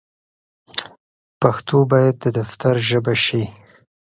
پښتو بايد د دفتر ژبه شي.